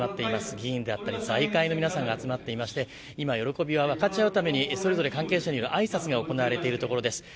議員だったり財界の皆さんが集まっていて今、喜びを分かち合うためにそれぞれ関係者による挨拶が行われているというところです。